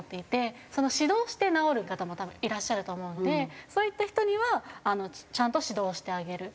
指導して治る方も多分いらっしゃると思うのでそういった人にはちゃんと指導をしてあげる。